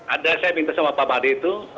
ada yang saya minta sama pak made itu